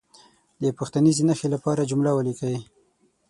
د پوښتنیزې نښې لپاره جمله ولیکي.